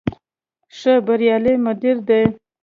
ښه بریالی مدیر دی.